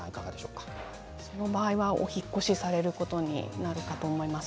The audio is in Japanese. その場合はお引っ越しされることになるかと思います。